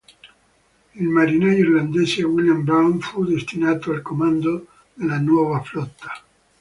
Il marinaio irlandese William Brown fu destinato al comando della nuova flotta.